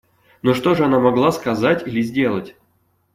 Но что ж она могла сказать или сделать?